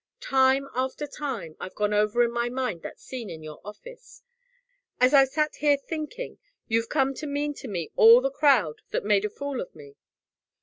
Time after time I've gone over in my mind that scene in your office. As I've sat here thinking you've come to mean to me all the crowd that made a fool of me.